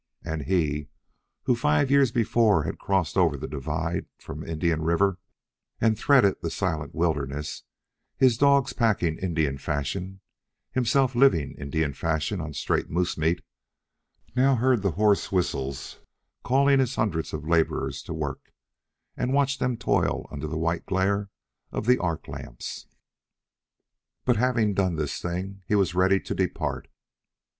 And he, who five years before had crossed over the divide from Indian River and threaded the silent wilderness, his dogs packing Indian fashion, himself living Indian fashion on straight moose meat, now heard the hoarse whistles calling his hundreds of laborers to work, and watched them toil under the white glare of the arc lamps. But having done the thing, he was ready to depart.